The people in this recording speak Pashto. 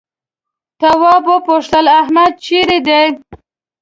تواب وپوښتل احمد چيرې دی؟